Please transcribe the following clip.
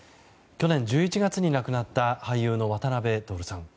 去年１１月に亡くなった俳優の渡辺徹さん。